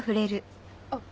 あっ。